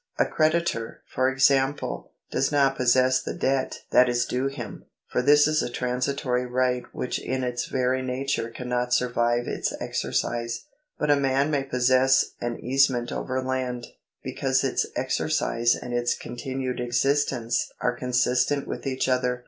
A creditor, for example, does not possess the debt that is due to him ; for this is a transitory right which in its very nature cannot survive its exercise. But a man may possess an easement over land, because its exercise and its continued existence are consistent with each other.